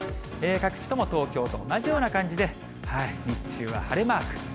各地とも東京と同じような感じで、日中は晴れマーク。